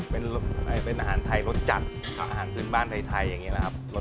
เป็นอาหารไทยรสจัดอาหารพื้นบ้านไทยอย่างนี้แหละครับ